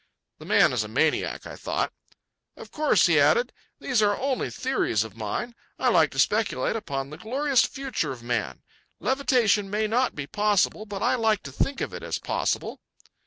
The man is a maniac, thought I. "Of course," he added, "these are only theories of mine. I like to speculate upon the glorious future of man. Levitation may not be possible, but I like to think of it as possible."